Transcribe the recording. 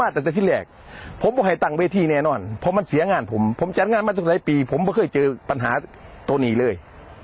ตั้งแต่ที่แรกผมบอกให้ตั้งเวทีแน่นอนเพราะมันเสียงานผมผมจัดงานมาตั้งหลายปีผมไม่เคยเจอปัญหาตัวนี้เลย